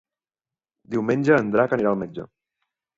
Diumenge en Drac anirà al metge.